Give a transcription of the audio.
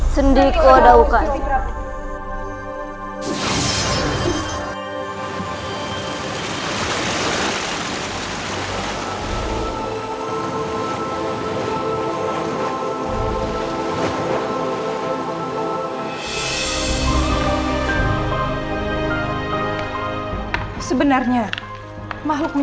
sendiriku ada ukan